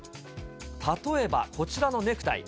例えばこちらのネクタイ。